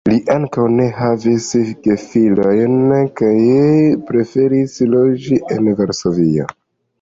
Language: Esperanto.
Li ankaŭ ne havis gefilojn kaj preferis loĝi en Varsovio.